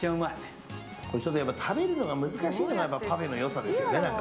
食べるのが難しいのがパフェの良さですよね。